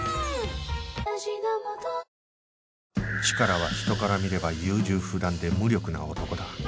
チカラは人から見れば優柔不断で無力な男だ